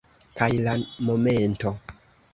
Kaj la momento